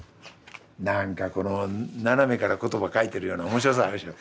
何かこの斜めから言葉書いてるような面白さあるでしょう？